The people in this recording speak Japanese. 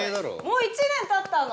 もう１年たったの？